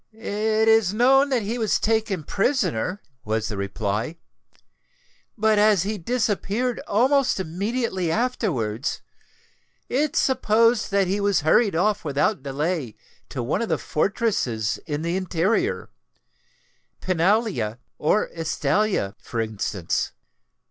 "It is known that he was taken prisoner," was the reply; "but as he disappeared almost immediately afterwards, it is supposed that he was hurried off without delay to one of the fortresses in the interior—Pinalla or Estella, for instance.